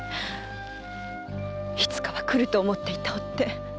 いつかは来ると思っていた追手。